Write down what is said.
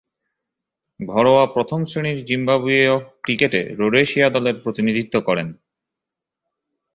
ঘরোয়া প্রথম-শ্রেণীর জিম্বাবুয়ীয় ক্রিকেটে রোডেশিয়া দলের প্রতিনিধিত্ব করেন।